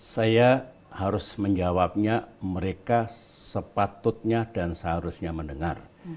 saya harus menjawabnya mereka sepatutnya dan seharusnya mendengar